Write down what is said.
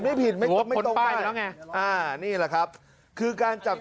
เอ่อนี่แหละครับ